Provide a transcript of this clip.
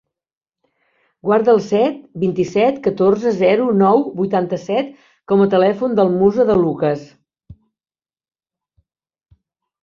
Guarda el set, vint-i-set, catorze, zero, nou, vuitanta-set com a telèfon del Musa De Lucas.